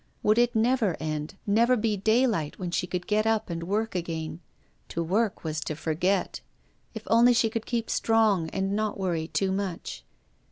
Would it never end, never be daylight, when she could get up and work again ? To work was to forget. If only she could keep strong and not worry too much.